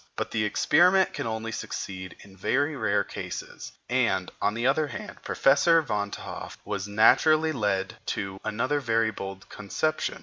But the experiment can only succeed in very rare cases; and, on the other hand, Professor Van t'Hoff was naturally led to another very bold conception.